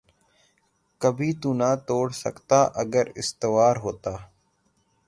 کبھی تو نہ توڑ سکتا اگر استوار ہوتا